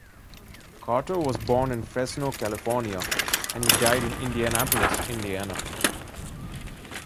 Carter was born in Fresno, California, and he died in Indianapolis, Indiana.